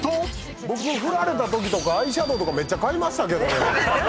僕フラれたときとかアイシャドウめっちゃ買いましたけど。